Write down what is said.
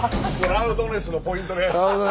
ラウドネスのポイント。